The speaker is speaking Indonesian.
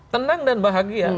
tenang dan bahagia